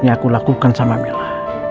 aku harus berpikir dengan percaya sama dia